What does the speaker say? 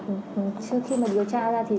và một số người dân vẫn còn nhẹ dạ cả tin